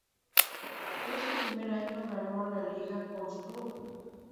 En su primer año ganó la Liga con su club.